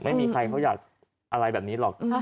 ไม่มีใครเขาอยากอะไรแบบนี้หรอก